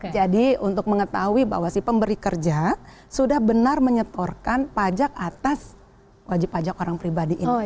untuk mengetahui bahwa si pemberi kerja sudah benar menyetorkan pajak atas wajib pajak orang pribadi ini